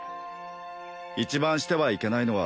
一番してはいけないのは